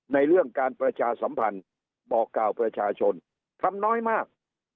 ในเรื่องการประชาสัมพันธ์บอกกล่าวประชาชนทำน้อยมาก